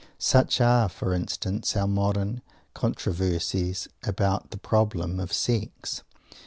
Such are, for instance, our modern controversies about the problem of Sex.